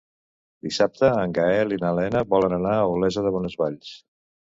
Dissabte en Gaël i na Lena volen anar a Olesa de Bonesvalls.